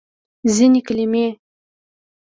ځینې کلمې